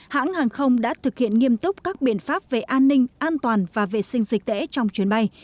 hãng hàng không đã thực hiện nghiêm túc các biện pháp về an ninh an toàn và vệ sinh dịch tễ trong chuyến bay